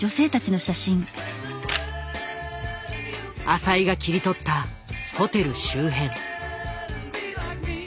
浅井が切り取ったホテル周辺。